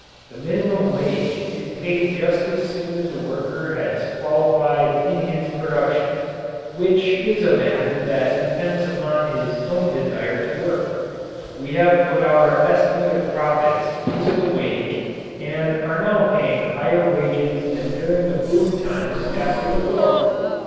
The minimum wage is paid just as soon as a worker has qualified in his production which is a matter that depends upon his own desire to work. We have put our estimate of profits into the wage and are now paying higher wages than during the boom times after the war.